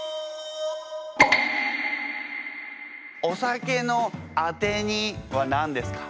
お酒のアテには何ですか？